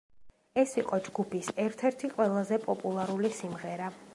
ეს იყო ჯგუფის ერთ-ერთი ყველაზე პოპულარული სიმღერა.